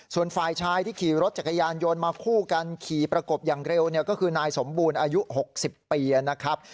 ส่วนฝ่ายชายที่ขี่รถจักรยานยนต์มาคู่กันขี่ประกบอย่างเร็วเนี่ยก็คือนายสมบูรณ์อายุ๖๐ปีนะครับ